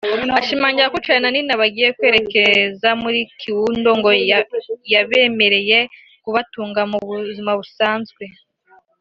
ashimangira ko Charly na Nina bagiye kwerekeza muri Kiwundo ngo yabemereye kubatunga mu buzima busanzwe